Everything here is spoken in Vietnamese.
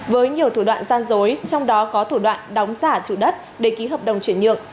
với nhiều thủ đoạn gian dối trong đó có thủ đoạn đóng giả chủ đất để ký hợp đồng chuyển nhượng